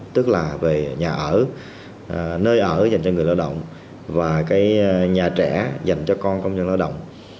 tức là về nhà ở nơi ở dành cho người lao động và cái nhà trẻ dành cho con công nhân lao động